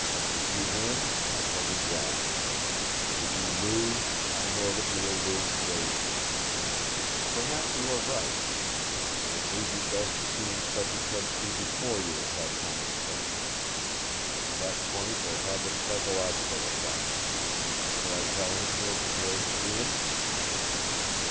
If you win, I shall be glad. If you lose, I know that you will lose bravely. Perhaps you are right. It may be best to see Inspector Kedsty before you have had time to think. That point will have its psychological effect. Shall I tell him you are prepared to see him?"